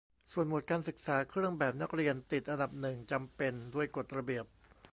ส่วนหมวดการศึกษา เครื่องแบบนักเรียนติดอันดับหนึ่ง "จำเป็น" ด้วยกฎระเบียบ